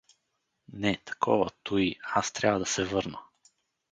— Не, такова, туй… аз трябва да се върна!